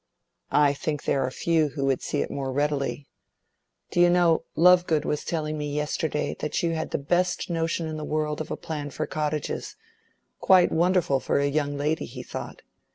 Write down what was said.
"I think there are few who would see it more readily. Do you know, Lovegood was telling me yesterday that you had the best notion in the world of a plan for cottages—quite wonderful for a young lady, he thought.